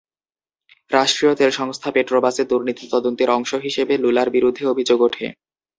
রাষ্ট্রীয় তেল সংস্থা পেট্রোবাসে দুর্নীতি তদন্তের অংশ হিসেবে লুলার বিরুদ্ধে অভিযোগ ওঠে।